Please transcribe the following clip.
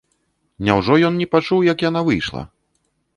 Няўжо ён не пачуў, як яна выйшла?